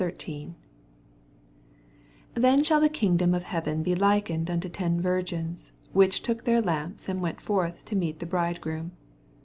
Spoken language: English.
1 Then sball the kingdom of hearen be likened nnto ten virgiDs, which took their lamps, and went forth to meet the bridegroom.